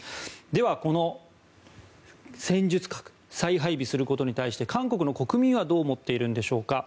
では、この戦術核を再配備することについて韓国の国民はどう思っているんでしょうか。